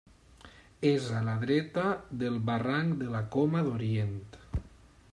És a la dreta del barranc de la Coma d'Orient.